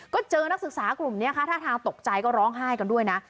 ก็เจอนักศึกษากลุ่มนี้ค่ะท่าทางตกใจก็ร้องไห้กันด้วยนะ